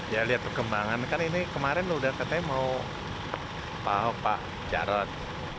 ya lihat perkembangan kan ini kemarin udah katanya mau pak ahok pak jarod